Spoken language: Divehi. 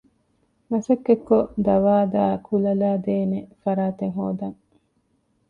މަސައްކަތްކޮށް ދަވާދާއި ކުލަ ލައިދޭނެ ފަރާތެއް ހޯދަން